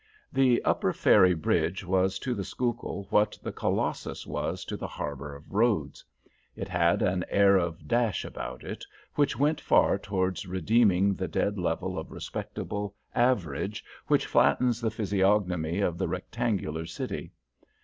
The Upper Ferry Bridge was to the Schuylkill what the Colossus was to the harbor of Rhodes. It had an air of dash about it which went far towards redeeming the dead level of respectable average which flattens the physiognomy of the rectangular city.